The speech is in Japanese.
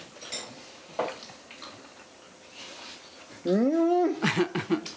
うん！